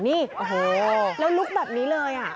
นี่โอ้โหแล้วลุกแบบนี้เลย